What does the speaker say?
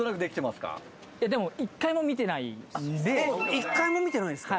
一回も見てないんですか？